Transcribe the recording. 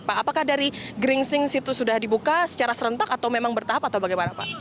pak apakah dari geringsing situ sudah dibuka secara serentak atau memang bertahap atau bagaimana pak